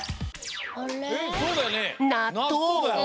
えっそうだよね！？